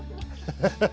ハハハ。